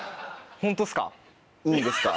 ホントっすか？